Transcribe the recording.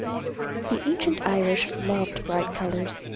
The ancient Irish loved bright colours.